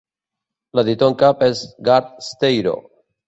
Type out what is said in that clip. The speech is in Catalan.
L'editor en cap és Gard Steiro.